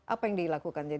apa yang dilakukan